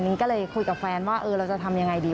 นิ้งก็เลยคุยกับแฟนว่าเราจะทำอย่างไรดี